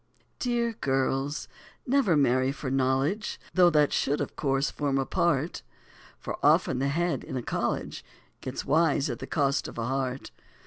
[A] Dear girls, never marry for knowledge, (Though that should of course form a part,) For often the head, in a college, Gets wise at the cost of the heart.